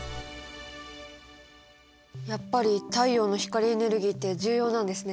やっぱり太陽の光エネルギーって重要なんですね。